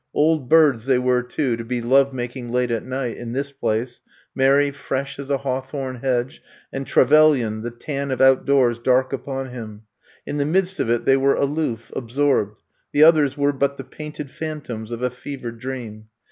Old birds, they were, too, to be love making late at night, in this place — Mary, fresh as a hawthorne hedge and Trevelyan, the tan of out doors dark upon him. In the midst of it they were aloof, absorbed. The others were but the painted phantoms of a fevered dream.